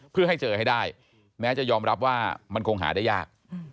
เพื่อให้เจอให้ได้แม้จะยอมรับว่ามันคงหาได้ยาก